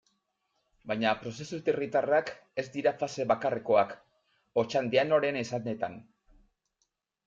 Baina prozesu herritarrak ez dira fase bakarrekoak, Otxandianoren esanetan.